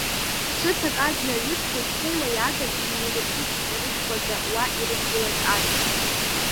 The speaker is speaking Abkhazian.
Ҵәыцак азна аҩы ԥхеиԥхеиуа иааган иҩеилыркит иҵәрышкәаӡа уа ирыдгылаз аӡӷаб.